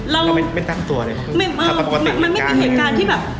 เราไม่ตั้งตัวเลยมันไม่มีเหตุการณ์ที่แบบ